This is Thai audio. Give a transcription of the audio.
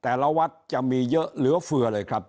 แต่ละวัดจะมีเยอะเหลือเฟือเลยครับ